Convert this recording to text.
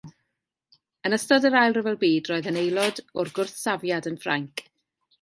Yn ystod yr Ail Ryfel Byd roedd yn aelod o'r Gwrthsafiad yn Ffrainc.